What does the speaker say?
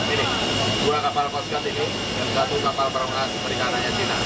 dalam ini dua kapal poskat dan ini dua kapal poskat ini dan satu kapal perang as perikanannya cina